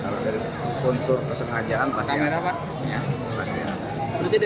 kalau dari unsur kesengajaan pasti ada